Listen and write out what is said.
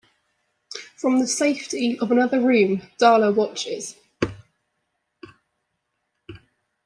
From the safety of another room, Darla watches.